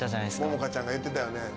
百々絵ちゃんが言ってたよね。